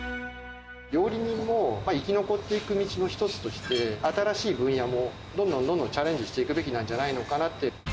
料理人の生き残っていく道の一つとして、新しい分野も、どんどんどんどんチャレンジしていくべきなんじゃないのかなって。